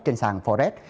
trên sàn forex